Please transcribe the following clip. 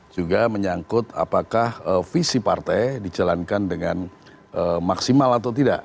juga menyangkut apakah visi partai dijalankan dengan maksimal atau tidak